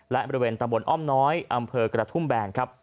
และบริเวณตำบลอ้อมน้อยอำเภอกระทุ่มแบนครับ